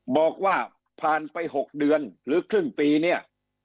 บอกว่าผ่านไป๖เดือนหรือครึ่งปีเนี่ย